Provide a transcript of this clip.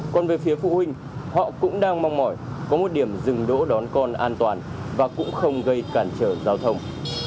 còn về phía phụ huynh họ cũng đang mong mỏi có một điểm dừng đỗ đón con an toàn và cũng không gây cản trở giao thông